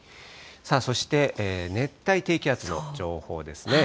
そして、熱帯低気圧の情報ですね。